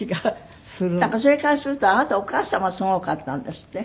なんかそれからするとあなたお母様すごかったんですって？